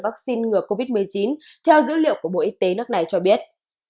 vaccine ngừa covid một mươi chín theo dữ liệu của bộ y tế nước này cho biết